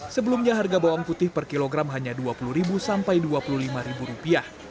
sebelumnya harga bawang putih per kilogram hanya rp dua puluh sampai rp dua puluh lima